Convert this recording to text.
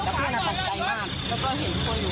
แต่เพื่อนอ่ะตกใจมากแล้วก็เห็นทุกคนอยู่